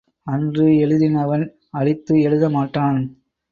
அன்று எழுதினவன் அழித்து எழுத மாட்டான்.